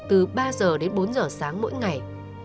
từ ba giờ đến bốn giờ sáng mỗi ngày